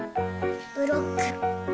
ブロック。